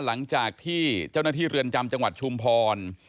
หลังจากที่เจ้าหน้าที่เรือนจำจังหวัดชุมพร